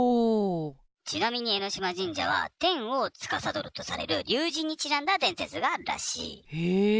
ちなみに江島神社は天をつかさどるとされる竜神にちなんだ伝説があるらしい。